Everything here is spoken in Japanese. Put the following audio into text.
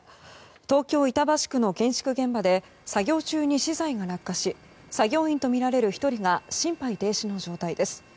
東京・板橋区の建築現場で作業中に資材が落下し作業員とみられる１人が心肺停止の状態です。